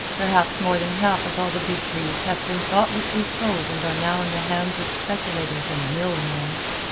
Perhaps more than half of all the big trees have been thoughtlessly sold and are now in the hands of speculators and mill men.